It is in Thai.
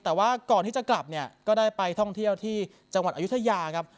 แต่ว่าก่อนที่จะกลับเนี่ยก็ได้ไปท่องเที่ยวที่จังหวัดอายุทยาครับ